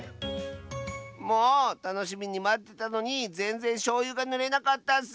もうたのしみにまってたのにぜんぜんしょうゆがぬれなかったッス！